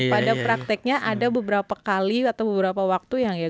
pada prakteknya ada beberapa kali atau beberapa waktu yang ya